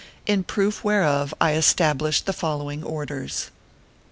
In proof whereof I establish the follow ing orders : I.